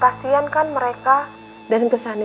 kasian kan mereka dan kesannya